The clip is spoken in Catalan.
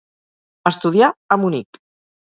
Estudià a Munic.